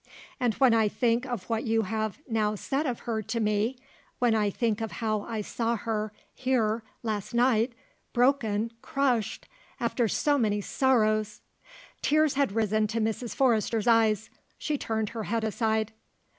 And when I think of what you have now said of her to me when I think of how I saw her here last night, broken crushed, after so many sorrows " Tears had risen to Mrs. Forrester's eyes. She turned her head aside.